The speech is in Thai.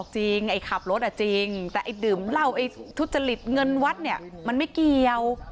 ไอ้ขับรถอ่ะจริงแต่ไอ้ดื่มเหล้าไอ้ทุจริตเงินวัดเนี่ยมันไม่เกี่ยว